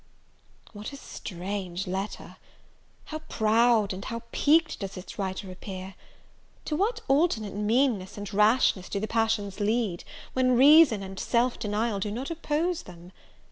What a strange letter! how proud and how piqued does its writer appear! To what alternate meanness and rashness do the passions lead, when reason and self denial do not oppose them!